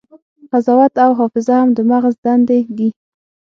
قضاوت او حافظه هم د مغز دندې دي.